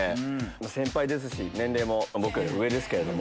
先輩ですし年齢も僕より上ですけれども。